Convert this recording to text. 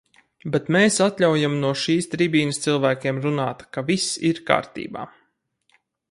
Bet mēs atļaujam no šīs tribīnes cilvēkiem runāt, ka viss ir kārtībā.